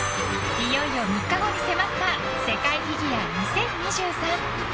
いよいよ３日後に迫った世界フィギュア２０２３。